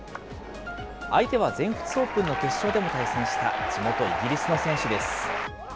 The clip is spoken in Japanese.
相手は全仏オープンの決勝でも対戦した地元イギリスの選手です。